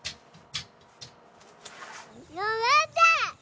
やめて！